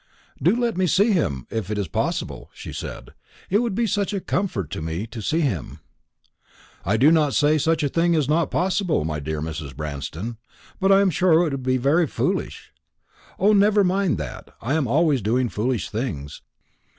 "Do let me see him, if it is possible," she said; "it would be such a comfort to me to see him." "I do not say such a thing is not possible, my dear Mrs. Branston; but I am sure it would be very foolish." "O, never mind that; I am always doing foolish things.